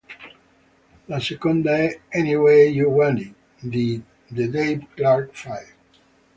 La seconda è "Anyway You Want It", di The Dave Clark Five.